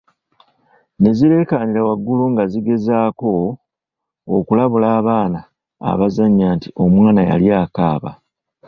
Ne zireekanira waggulu nga zigezaako okulabula abaana abazannya nti omwana yali akaaba.